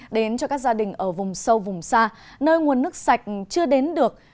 đến cho các gia đình ở vùng sâu vùng xa nơi nguồn nước sạch chưa đến được